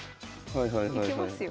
いけますよ。